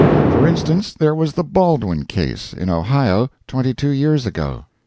For instance, there was the Baldwin case, in Ohio, twenty two years ago.